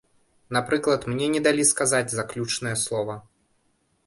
Напрыклад, мне не далі сказаць заключнае слова.